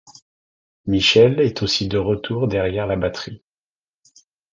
Michel est aussi de retour derrière la batterie.